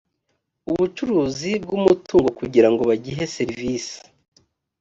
ubucuruzi bw umutungo kugira ngo bagihe serivisi